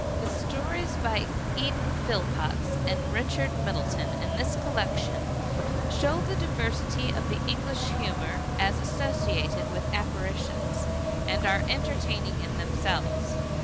The stories by Eden Phillpotts and Richard Middleton in this collection show the diversity of the English humor as associated with apparitions, and are entertaining in themselves.